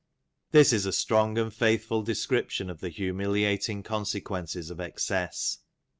This is a strong and faithful description of the humiliating consequences of excess.